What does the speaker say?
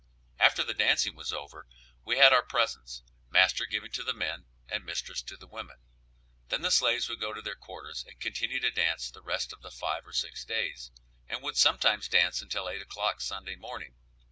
After the dancing was over we had our presents, master giving to the men, and mistress to the women; then the slaves would go to their quarters and continue to dance the rest of the five or six days, and would sometimes dance until eight o'clock Sunday morning.